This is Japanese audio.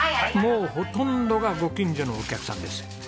もうほとんどがご近所のお客さんです。